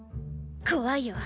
怖いよ。